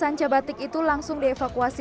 sanca batik itu langsung dievakuasi